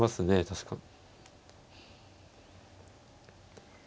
確かに。